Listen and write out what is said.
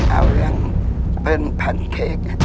เอาเรื่องเปิ้ลแพนเค้ก